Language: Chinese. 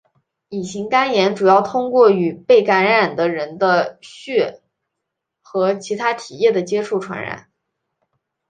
乙型肝炎主要通过与被感染的人的血和其它体液的接触传染。